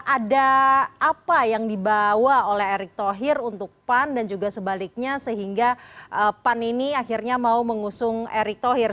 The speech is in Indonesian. ada apa yang dibawa oleh erick thohir untuk pan dan juga sebaliknya sehingga pan ini akhirnya mau mengusung erick thohir